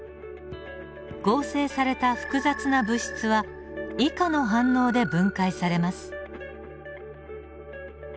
合成された複雑な物質は異化の反応で分解されます。